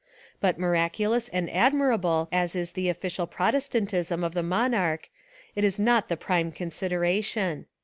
But miraculous and ad mirable as is the ofllcial protestantism of the monarch, it is not the prime consideration.